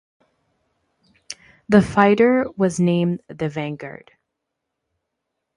The fighter was named the Vanguard.